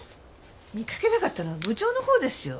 見かけなかったのは部長の方でしょ。